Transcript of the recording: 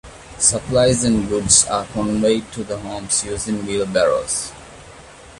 Supplies and goods are conveyed to the homes using wheelbarrows.